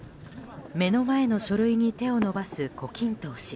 目の前の書類に手を伸ばす胡錦涛氏。